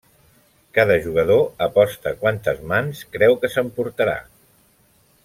Cada jugador aposta quantes mans creu que s'emportarà.